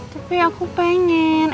tapi aku pengen